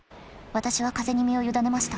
私は風に身を委ねました。